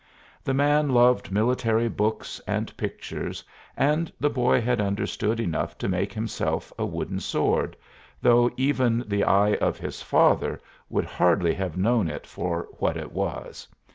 The man loved military books and pictures and the boy had understood enough to make himself a wooden sword, though even the eye of his father would hardly have known it for what it was.